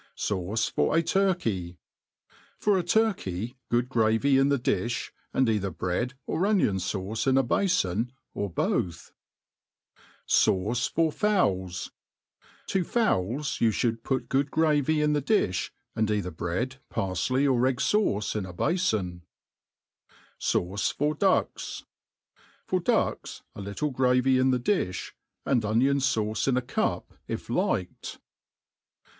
Sauce for a Turkey. FOR a turkey, good gravy in the difli, and either bread or enlbn /aucc in o^ bafon, or both. &auu for Fowb. TO fowls, you (hould put good gravy ii| tbcf difli^ and either bread, parfly, pr egg fauce in a bafon* 'Sauce for Ducks. FOR ducks, a little gravy in (he difli| an$i/onion fiiuce in a cup, if liked.